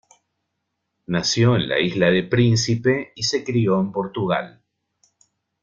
Nació en la isla de Príncipe y se crio en Portugal.